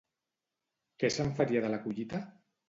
Què se'n faria de la collita?